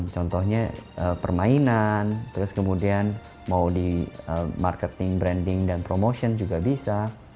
contohnya permainan terus kemudian mau di marketing branding dan promotion juga bisa